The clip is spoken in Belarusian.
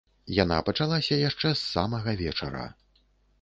Яна пачалася яшчэ з самага вечара.